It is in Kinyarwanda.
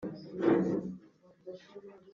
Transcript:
ariko njyewe ubwanjye nishe umwe